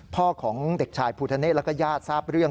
พ่อของเด็กชายภูทะเนธแล้วก็ญาติทราบเรื่อง